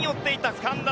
つかんだ。